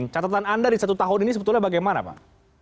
catatan anda di satu tahun ini sebetulnya bagaimana pak